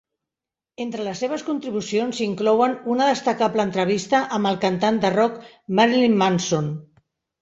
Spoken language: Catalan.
Entre les seves contribucions s"inclouen una destacable entrevista amb el cantant de rock Marilyn Manson.